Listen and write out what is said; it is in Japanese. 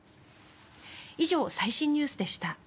以上、最新ニュースでした。